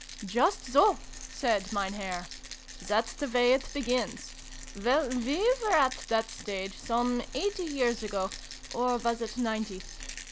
" Just so," said Mein Herr. " That's the way it begins. Well, we were at that stage some eighty years ago or was it ninety